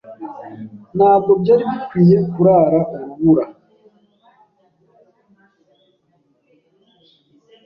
Ntabwo byari bikwiye kurara urubura?